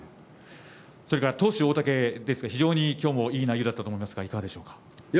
それから投手、大竹ですが非常に今日もいい内容だったと思いますがいかがでしょうか。